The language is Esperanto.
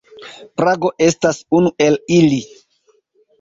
Prago estas unu el ili.